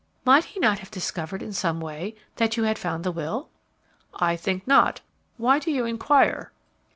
"Might he not have discovered in some way that you had found the will?" "I think not. Why do you inquire?"